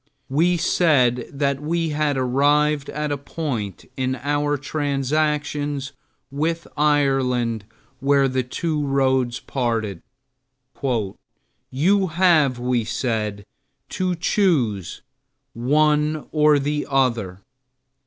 We said that we had arrived at a point in our transactions with Ireland where the two roads parted. "You have," we said, "to choose one or the other."